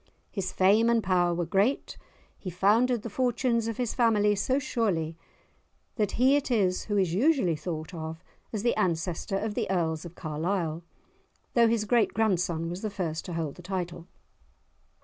His fame and power were great. He founded the fortunes of his family so surely that he it is who is usually thought of as the ancestor of the Earls of Carlisle, though his great grandson was the first to hold the title.